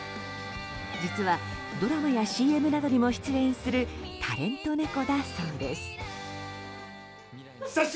実は、ドラマやＣＭなどにも出演するタレント猫だそうです。